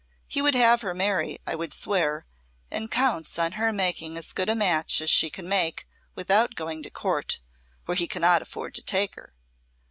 He would have her marry, I would swear, and counts on her making as good a match as she can make without going to Court, where he cannot afford to take her.